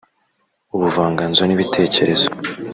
ubuvanganzo n’ibitekerezo